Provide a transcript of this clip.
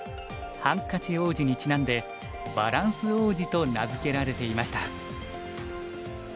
「ハンカチ王子」にちなんで「バランス王子」と名づけられていました。